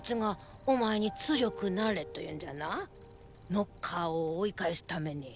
ノッカーを追い返すために。